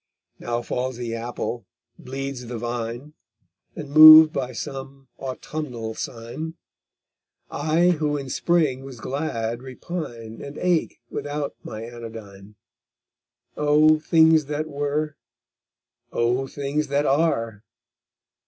Now falls the apple, bleeds the vine, And, moved by some autumnal sign, I who in spring was glad repine And ache without my anodyne; Oh! things that were! Oh! things that are!